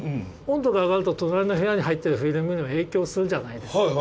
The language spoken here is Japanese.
温度が上がると隣の部屋に入ってるフィルムにも影響するじゃないですか。